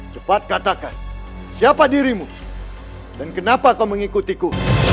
sampai jumpa di video selanjutnya